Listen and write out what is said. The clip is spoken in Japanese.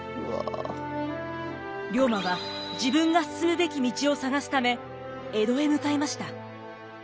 龍馬は自分が進むべき道を探すため江戸へ向かいました。